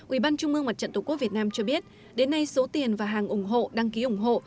ủy ban trung mương mặt trận tổ quốc việt nam cho biết đến nay số tiền và hàng ủng hộ đăng ký ủng hộ